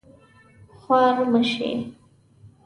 خوار مه شې